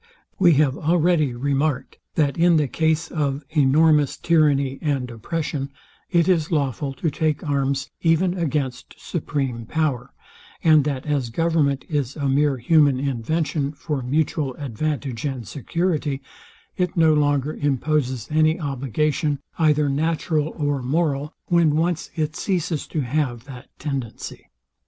We have already remarked, that in the case of enormous tyranny and oppression, it is lawful to take arms even against supreme power; and that as government is a mere human invention for mutual advantage and security, it no longer imposes any obligation, either natural or moral, when once it ceases to have that tendency.